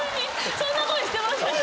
そんな声してましたっけ？